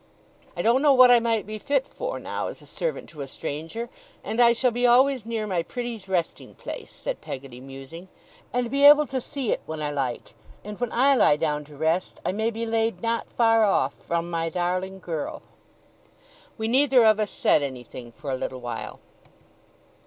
I don't know what I might be fit for, now, as a servant to a stranger. And I shall be always near my pretty's resting place,' said Peggotty, musing, 'and be able to see it when I like; and when I lie down to rest, I may be laid not far off from my darling girl!' We neither of us said anything for a little while.